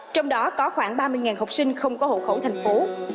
trong đó có khoảng ba mươi học sinh không có hộ khẩu thành phố